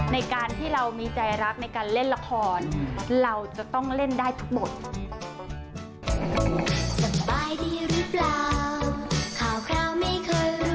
ในการที่เรามีใจรักในการเล่นละครเราจะต้องเล่นได้ทุกบท